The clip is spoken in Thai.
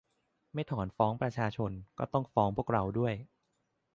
ไม่ถอนฟ้องประชาชน ก็ต้องฟ้องพวกเราด้วย